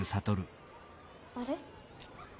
あれ？